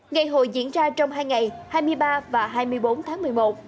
ngày hội diễn ra trong hai ngày hai mươi ba và hai mươi bốn tháng một mươi một